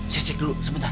saya cek dulu sebentar